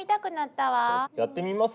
やってみます？